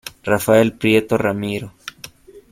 Rafael Prieto Ramiro.